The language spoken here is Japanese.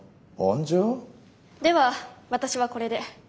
では私はこれで。